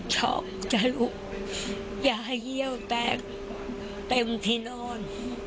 ชอบจรุงยายเยี่ยวแตกเต็มที่นอน